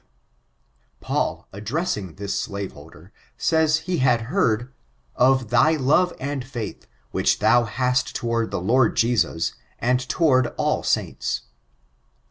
— Philemon 5 ; Pau], addressing this slave holder, says he had heard ^ of th j love and faith, which thou hast toward the Lord Jesus, and toward all saints.'